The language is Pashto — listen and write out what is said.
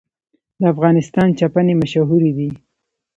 د افغانستان چپنې مشهورې دي